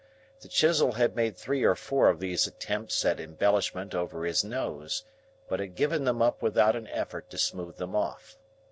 The chisel had made three or four of these attempts at embellishment over his nose, but had given them up without an effort to smooth them off.